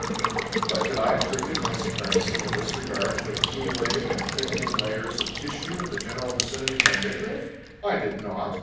But did I attribute my supremacy in this regard to accumulating and thickening layers of tissue in the general vicinity of my midriff? I did not!